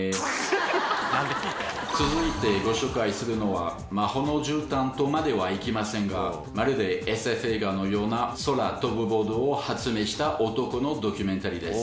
続いてご紹介するのは魔法のじゅうたんとまでは行きませんがまるでＳＦ映画のような空飛ぶボードを発明した男のドキュメンタリーです。